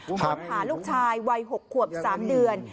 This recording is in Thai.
ค้นหาลูกชายวัย๖ขวบ๓เดือน